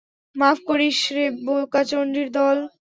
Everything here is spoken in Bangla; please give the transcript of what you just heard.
মাফ করিস রে বোকাচণ্ডীর দল।